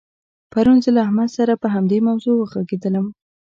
پرون زه له احمد سره په همدې موضوع وغږېدلم.